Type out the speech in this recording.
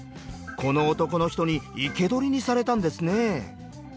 この男の人に生け捕りにされたんですね。